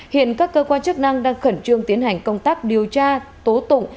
hiện các cơ quan chức năng đang khẩn trương tiến hành công tác điều tra tố tụng